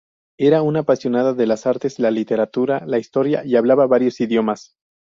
Era una apasionada de las artes, la literatura, la historia y hablaba varios idiomas.